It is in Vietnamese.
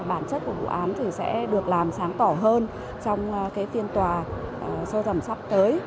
bản chất của vụ án sẽ được làm sáng tỏa hơn trong tiên tòa sơ tầm sắp tới